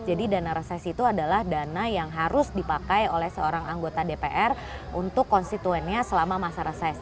jadi dana reses itu adalah dana yang harus dipakai oleh seorang anggota dpr untuk konstituennya selama masa reses